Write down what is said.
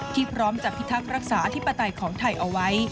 พร้อมจะพิทักษ์รักษาอธิปไตยของไทยเอาไว้